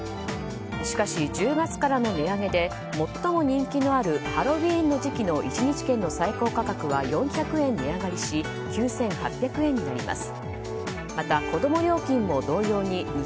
しかし、１０月からの値上げで最も人気のあるハロウィーンの時期の１日券の最高価格は４００円値上がりし９８００円になります。